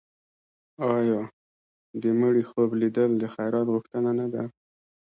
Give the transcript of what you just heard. آیا د مړي خوب لیدل د خیرات غوښتنه نه ده؟